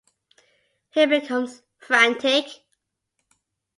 He becomes frantic.